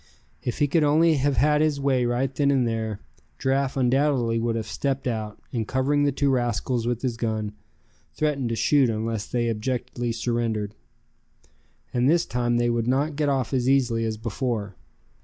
If he could only have had his way right then and there, Giraffe undoubtedly would have stepped out, and covering the two rascals with his gun, threatened to shoot unless they abjectly surrendered. And this time they would not get off as easily as before.